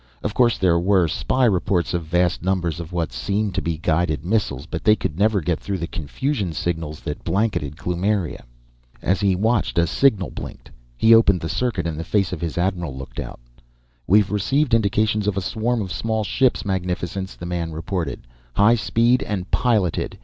Of course, there were spy reports of vast numbers of what seemed to be guided missiles, but they could never get through the confusion signals that blanketed Kloomiria. As he watched, a signal blinked. He opened the circuit and the face of his admiral looked out. "We've received indications of a swarm of small ships, magnificence," the man reported. "High speed and piloted.